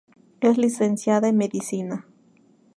Es licenciada en Medicina.